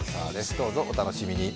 どうぞお楽しみに。